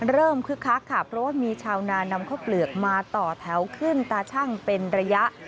คึกคักค่ะเพราะว่ามีชาวนานำข้าวเปลือกมาต่อแถวขึ้นตาชั่งเป็นระยะ